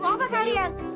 mau apa kak ariad